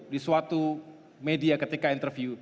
di suatu media ketika interview